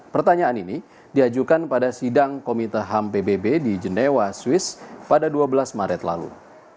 pertanyaan ini diajukan pada sidang komite ham pbb di jendewa swiss pada dua belas maret lalu